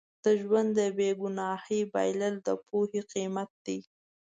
د ژوند د بې ګناهۍ بایلل د پوهې قیمت دی.